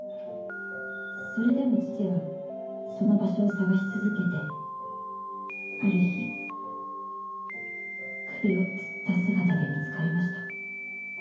「それでも父はその場所を探し続けてある日首をつった姿で見つかりました」